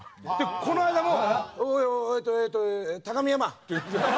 この間も「おいおいえっとえっとええー高見山」って言って。